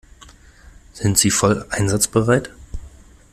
Sind Sie voll einsatzbereit?